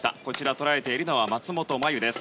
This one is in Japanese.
捉えているのは松本麻佑です。